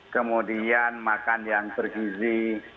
kemudian makan yang bergizi